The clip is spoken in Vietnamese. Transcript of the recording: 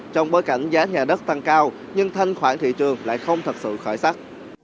trong bối cảnh giá nhà đất tăng cao nhưng thanh khoản thị trường lại không thật sự khởi sắc